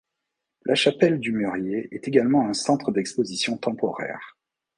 La chapelle du Mûrier est également un centre d'exposition temporaire.